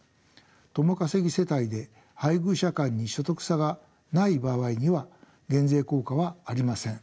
共稼ぎ世帯で配偶者間に所得差がない場合には減税効果はありません。